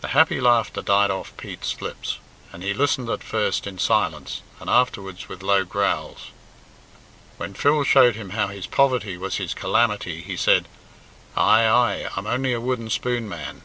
The happy laughter died off Pete's, lips, and he listened at first in silence, and afterwards with low growls. When Phil showed him how his poverty was his calamity he said, "Ay, ay, I'm only a wooden spoon man."